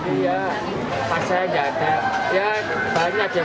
iya pasalnya tidak ada